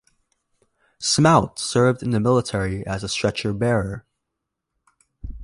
Smout served in the army as a stretcher bearer.